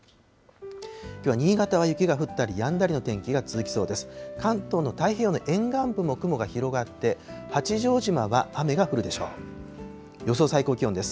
きょうは新潟は雪が降ったりやんだりの天気が続きそうです。